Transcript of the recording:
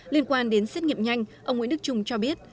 liên quan đến xét nghiệm nhanh ông nguyễn đức trung cho biết